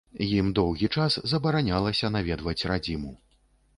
Ім доўгі час забаранялася наведваць радзіму.